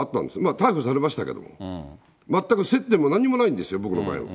逮捕されましたけども、全く接点も何にもないんですよ、僕の場合。